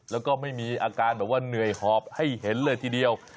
แล้วก็ไม่มีอาการแบบว่าเหนื่อยหอบให้เห็นเลยทีเดียว